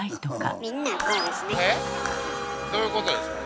どういうことですか？